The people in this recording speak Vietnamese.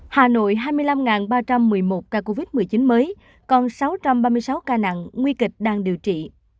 hà nội hai mươi năm ba trăm một mươi một ca covid một mươi chín mới còn sáu trăm ba mươi sáu ca nặng nguy kịch đang điều trị